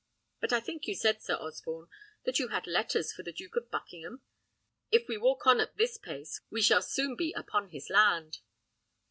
But I think you said, Sir Osborne, that you had letters for the Duke of Buckingham: if we walk on at this pace, we shall soon be upon his land."